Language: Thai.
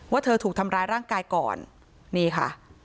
เธอถูกทำร้ายร่างกายก่อนนี่ค่ะ